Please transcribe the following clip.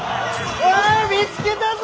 お見つけたぞ！